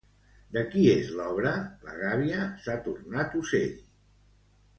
De qui és l'obra La gàbia s'ha tornat ocell?